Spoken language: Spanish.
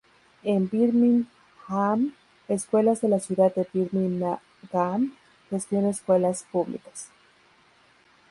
En Birmingham, Escuelas de la Ciudad de Birmingham gestiona escuelas públicas